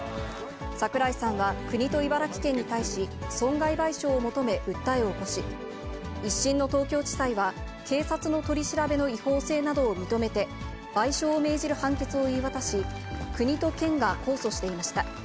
桜井さんは国と茨城県に対し、損害賠償を求め訴えを起こし、１審の東京地裁は、警察の取り調べの違法性などを認めて、賠償を命じる判決を言い渡し、国と県が控訴していました。